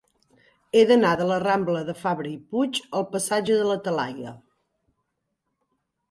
He d'anar de la rambla de Fabra i Puig al passatge de la Talaia.